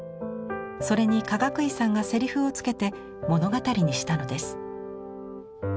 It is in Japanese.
それにかがくいさんがセリフをつけて物語にしたのです。